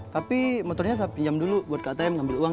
tapi motornya saya pinjam dulu buat kak tayem ngambil uang ya